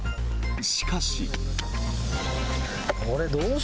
しかし。